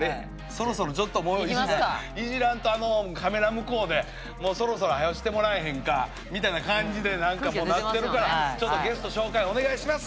そろそろちょっともういじらんとカメラ向こうでそろそろはよしてもらえへんかみたいな感じで何かもうなってるからちょっとゲスト紹介お願いします。